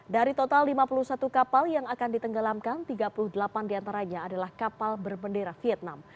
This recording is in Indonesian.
dari total lima puluh satu kapal yang akan ditenggelamkan tiga puluh delapan diantaranya adalah kapal berbendera vietnam